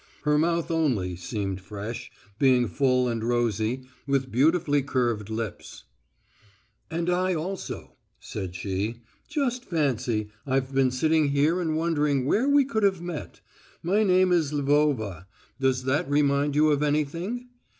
Her mouth only seemed fresh, being full and rosy, with beautifully curved lips. "And I also," said she. "Just fancy, I've been sitting here and wondering where we could have met. My name is Lvova does that remind you of anything?"